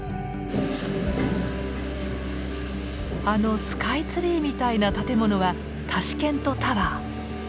あのスカイツリーみたいな建物はタシケントタワー。